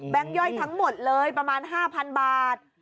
ย่อยทั้งหมดเลยประมาณ๕๐๐๐บาท